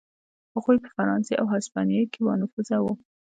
هغوی په فرانسې او هسپانیې کې بانفوذه و.